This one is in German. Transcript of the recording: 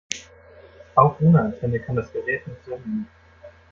Auch ohne Antenne kann das Gerät noch senden.